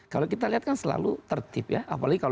kalau kita lihat kan selalu tertib ya